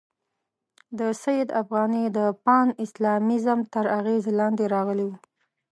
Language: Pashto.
د سید افغاني د پان اسلامیزم تر اغېزې لاندې راغلی وو.